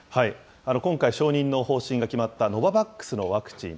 今回、承認の方針が決まったノババックスのワクチン。